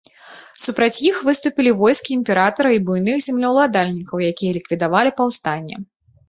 Супраць іх выступілі войскі імператара і буйных землеўладальнікаў, якія ліквідавалі паўстанне.